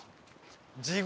地獄？